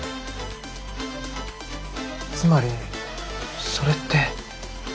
つまりそれって。